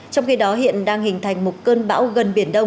trong khi đó hiện đang hình thành một cơn bão gần biệt